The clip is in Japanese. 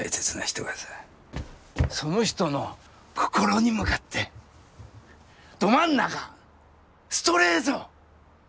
その人の心に向かってど真ん中ストレート！